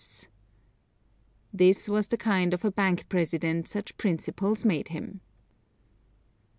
This was the kind of a bank president such principles made him.